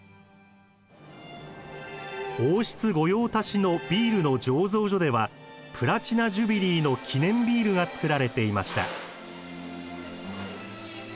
王室御用達のビールの醸造所ではプラチナ・ジュビリーの記念ビールが造られていました。